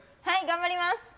はい頑張ります。